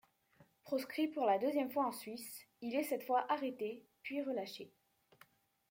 Proscrit pour la deuxième fois en Suisse, il est cette fois arrêté puis relâché.